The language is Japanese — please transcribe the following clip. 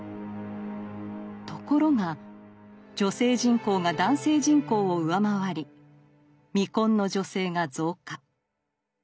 ところが女性人口が男性人口を上回り未婚の女性が増加。